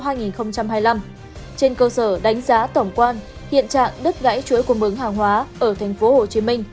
trên cơ sở đánh giá tổng quan hiện trạng đất gãy chuối cung mứng hàng hóa ở tp hcm